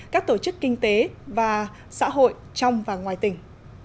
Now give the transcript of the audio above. các tổ chức kinh tế và xã hội trong và ngoài tỉnh